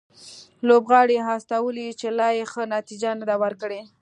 لوبغاړي استولي چې لا یې ښه نتیجه نه ده ورکړې